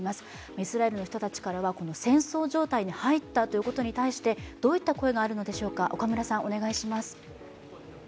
イスラエルの人たちからは戦争状態に入ったということに対してどういった声があるのでしょうか。